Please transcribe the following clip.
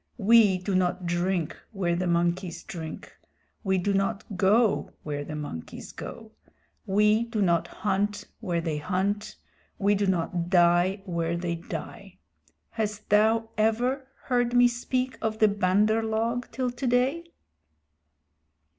We do not drink where the monkeys drink; we do not go where the monkeys go; we do not hunt where they hunt; we do not die where they die. Hast thou ever heard me speak of the Bandar log till today?"